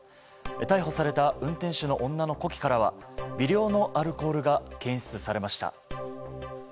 逮捕された運転手の女の呼気からは微量のアルコールが検出されました。